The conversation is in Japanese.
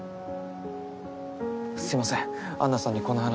すみません安奈さんにこんな話。